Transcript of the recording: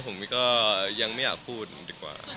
ผมก็ยังไม่อยากพูดดีกว่า